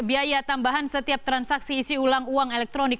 biaya tambahan setiap transaksi isi ulang uang elektronik